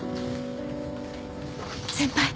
先輩！